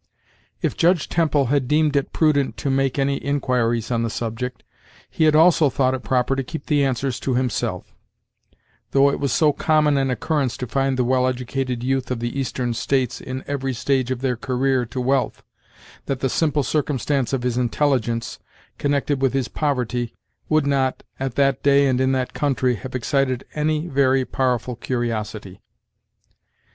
If judge Temple had deemed it prudent to make any inquiries on the subject, he had also thought it proper to keep the answers to him self; though it was so common an occurrence to find the well educated youth of the Eastern States in every stage of their career to wealth, that the simple circumstance of his intelligence, connected with his poverty, would not, at that day and in that country, have excited any very powerful curiosity.